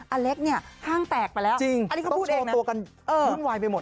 อาเล็กเนี่ยห้างแตกไปแล้วจริงต้องโชว์ตัวกันบุ่นวายไปหมดนะ